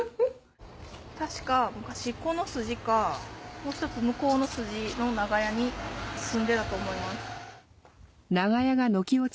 確か昔この筋かもう一つ向こうの筋の長屋に住んでたと思います。